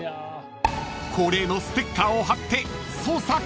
［恒例のステッカーを貼って］